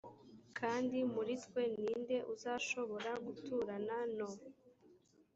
kandi muri twe ni nde uzashobora guturana no